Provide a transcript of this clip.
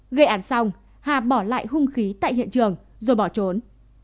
gây án xong hà bỏ lại hung khí tại hiện trường rồi bỏ trốn